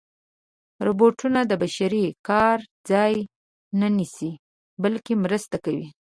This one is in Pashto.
روبوټونه د بشري کار ځای نه نیسي، بلکې مرسته کوي.